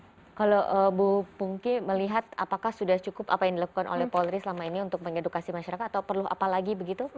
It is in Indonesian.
kalau bu pungki melihat apakah sudah cukup apa yang dilakukan oleh polri selama ini untuk mengedukasi masyarakat atau perlu apa lagi begitu